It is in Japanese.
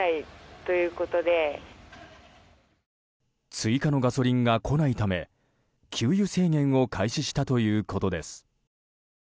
追加のガソリンが来ないため給油制限を開始したということです。